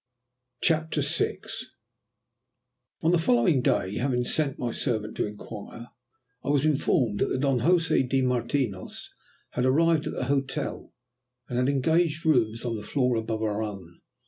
CHAPTER VI On the following day, having sent my servant to inquire, I was informed that the Don Josè de Martinos had arrived at the hotel, and had engaged rooms on the floor above our own.